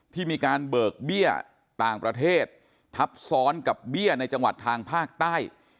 ที่มีการเบิกเบี้ยต่างประเทศทับซ้อนกับเบี้ยในจังหวัดทางภาคใต้